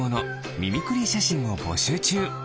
ミミクリーしゃしんをぼしゅうちゅう。